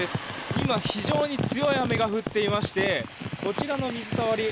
今、非常に強い雨が降っていましてこちらの水たまり